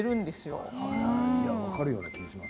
分かるような気がします。